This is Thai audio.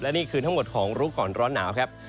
นี่คือทั้งหมดของรู้ก่อนร้อนหนาวครับ